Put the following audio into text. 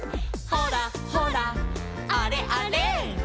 「ほらほらあれあれ」